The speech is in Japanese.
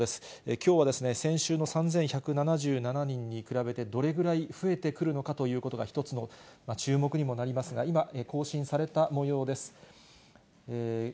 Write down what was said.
きょうは先週の３１７７人に比べて、どれぐらい増えてくるのかということが、一つの注目にもなりますが、今、更新されたもようです。